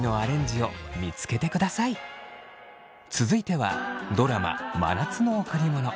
続いてはドラマ「真夏の贈りもの」。